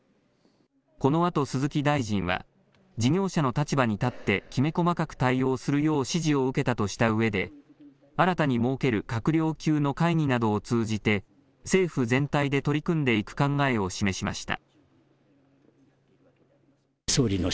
このあと鈴木大臣は事業者の立場に立ってきめ細かく対応するよう指示を受けたとしたうえで新たに設ける閣僚級の会議などを通じて政府全体で取り組んでいく考えを示しました。